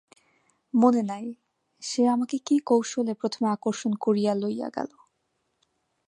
মনে নাই, সে আমাকে কি কৌশলে প্রথমে আকর্ষণ করিয়া লইয়া গেল।